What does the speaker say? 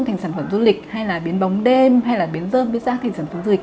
thành sản phẩm du lịch hay là biến bóng đêm hay là biến rơm biến rác thành sản phẩm du lịch